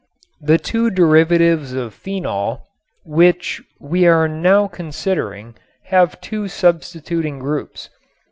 The two derivatives of phenol, which we are now considering, have two substituting groups.